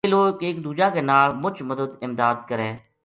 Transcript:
یہ لوک ایک دُوجا کے نال مُچ مدد امداد کرے